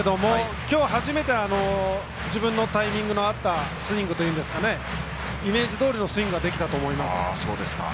きょう初めて自分のタイミングに合ったスイングといいますかイメージどおりのスイングができたと思います。